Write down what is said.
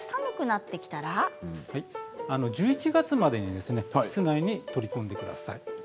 １１月までに室内に取り込んでください。